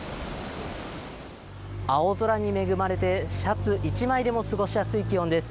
青空に恵まれてシャツ１枚でも過ごしやすい気温です。